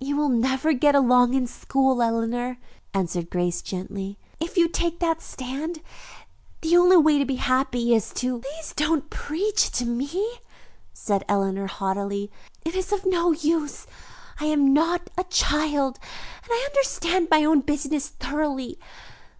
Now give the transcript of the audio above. "You will never get along in school, Eleanor," answered Grace gently, "if you take that stand. The only way to be happy is to " "Please don't preach to me," said Eleanor haughtily. "It is of no use. I am not a child and I understand my own business thoroughly.